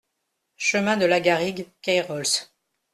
Chemin de Lagarigue, Cayrols